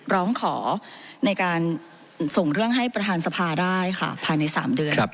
ร้องขอในการส่งเรื่องให้ประธานสภาได้ค่ะภายใน๓เดือน